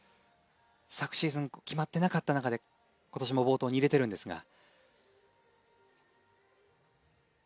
昨シーズン決まってなかった中で今年も冒頭に入れてるんですが。